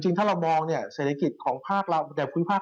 จริงเข้ามองเนี่ยเศรษฐกิจของภูมิภาป๓๔